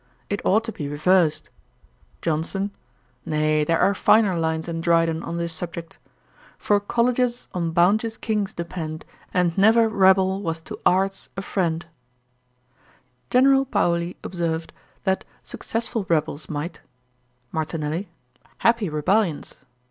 It ought to be reversed.' JOHNSON. 'Nay, there are finer lines in Dryden on this subject: "For colleges on bounteous Kings depend, And never rebel was to arts a friend."' General Paoli observed, that 'successful rebels might.' MARTINELLI. 'Happy rebellions.'